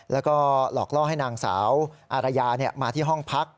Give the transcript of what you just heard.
แล้วก็หลอกล่อให้นางสาวอารยามาที่ห้องพัก